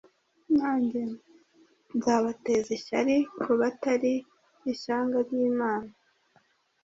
Nanjye nzabateza ishyari ku batari ishyanga ry’imana